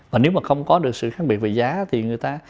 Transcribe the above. và nếu mà không có được sự khác biệt về giá thì người ta